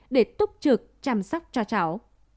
để túc trực chăm sóc cho cháu